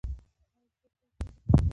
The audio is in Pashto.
ایا زه باید تراکتور وچلوم؟